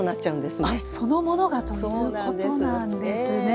あっそのものがということなんですね。